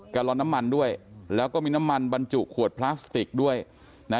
ลอนน้ำมันด้วยแล้วก็มีน้ำมันบรรจุขวดพลาสติกด้วยนะ